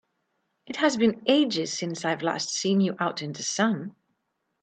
It has been ages since I've last seen you out in the sun!